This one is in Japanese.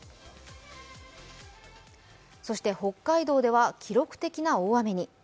そして北海道では記録的な大雨に。